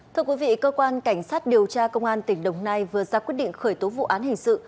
thưa quý vị cơ quan cảnh sát điều tra công an tỉnh đồng nai vừa ra quyết định khởi tố vụ án hình sự